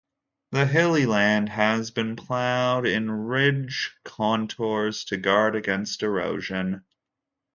The hilly land has been plowed in ridge contours to guard against erosion.